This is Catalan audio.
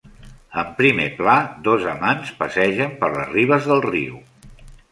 En primer pla, dos amants passegen per les ribes del riu.